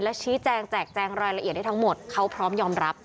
ชี้แจงแจกแจงรายละเอียดได้ทั้งหมดเขาพร้อมยอมรับ